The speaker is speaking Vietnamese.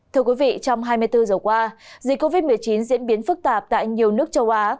thưa quý vị trong hai mươi bốn giờ qua dịch covid một mươi chín diễn biến phức tạp tại nhiều nước châu á